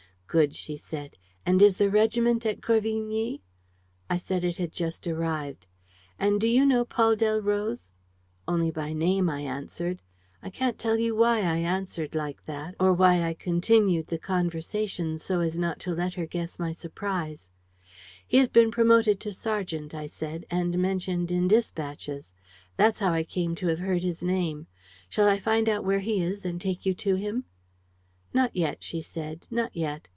'Good,' she said. 'And is the regiment at Corvigny?' I said it had just arrived. 'And do you know Paul Delroze?' 'Only by name,' I answered. I can't tell you why I answered like that, or why I continued the conversation so as not to let her guess my surprise: 'He has been promoted to sergeant,' I said, 'and mentioned in dispatches. That's how I come to have heard his name. Shall I find out where he is and take you to him?' 'Not yet,' she said, 'not yet.